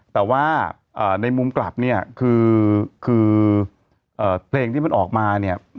แต่ว่าในมุมกลับคือเพลงที่มันออกมา